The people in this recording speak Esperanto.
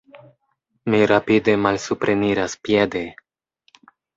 Mi rapide malsupreniras piede.